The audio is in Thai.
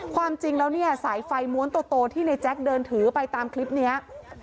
ความจริงแล้วเนี่ยสายไฟม้วนโตที่ในแจ๊คเดินถือไปตามคลิปนี้